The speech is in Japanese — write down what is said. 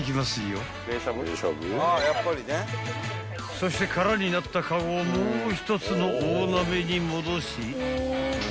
［そして空になったカゴをもう一つの大鍋に戻し］